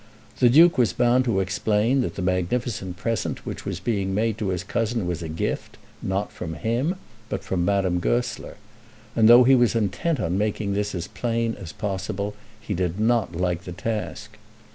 The Duke was bound to explain that the magnificent present which was being made to his cousin was a gift, not from him, but from Madame Goesler; and, though he was intent on making this as plain as possible, he did not like the task.